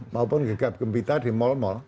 maupun gegap gempita di mal mal